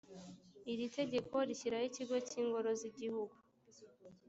iri tegeko rishyiraho ikigo cy ingoro z igihugu